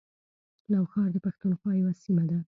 نوښار د پښتونخوا یوه سیمه ده